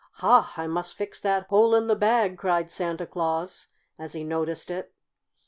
"Ha! I must fix that hole in the bag," cried Santa Claus, as he noticed it. St.